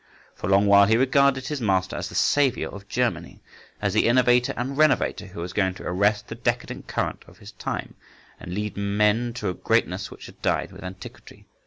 For a long while he regarded his master as the Saviour of Germany, as the innovator and renovator who was going to arrest the decadent current of his time and lead men to a greatness which had died with antiquity.